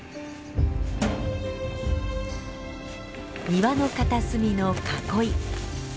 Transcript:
庭の片隅の囲い。